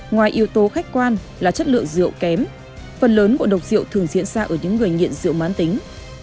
ngoài yếu tố khách quan là chất lượng rượu kém phần lớn ngộ độc rượu thường diễn ra ở những người nghiện rượu mán tính